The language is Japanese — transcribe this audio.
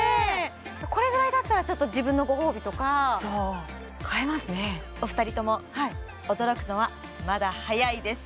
これぐらいだったらちょっと自分のご褒美とか買えますねお二人とも驚くのはまだ早いです！